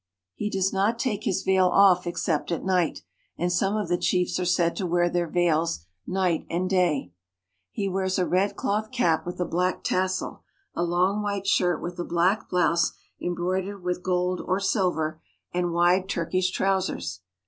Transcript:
He ^V does not take his veil off except at night, and some of the ' chiefs are said to wear their veils iiipht aiui day. He % A ^^^^^^^^^^^CvDL^a^l^^^a ^H^ '^^ 1 viiars a red cloth cap with a black tassel, a long white hire with a black blouse embroidered with gold or silver nd wide Turkish trousers.